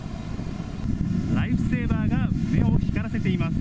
ライフセーバーが目を光らせています。